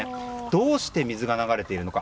どうして水が流れているのか。